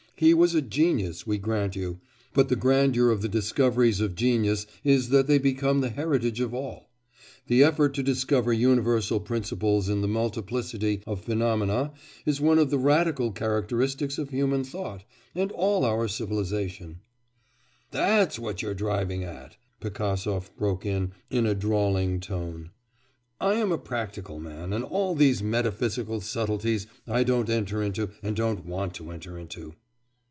He was a genius, we grant you; but the grandeur of the discoveries of genius is that they become the heritage of all. The effort to discover universal principles in the multiplicity of phenomena is one of the radical characteristics of human thought, and all our civilisation ' 'That's what you're driving at!' Pigasov broke in in a drawling tone. 'I am a practical man and all these metaphysical subtleties I don't enter into and don't want to enter into.